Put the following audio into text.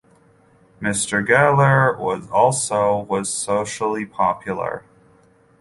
Mr. Gallaher also was socially popular.